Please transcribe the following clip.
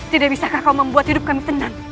tidak bisakah kau membuat hidup kami tenang